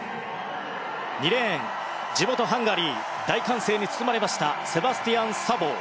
２レーン、地元ハンガリー大歓声に包まれましたセバスティアン・サボー。